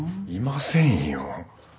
いませんよ。